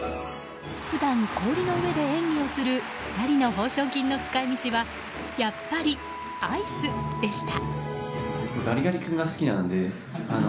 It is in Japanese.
普段、氷の上で演技をする２人の報奨金の使い道はやっぱりアイスでした。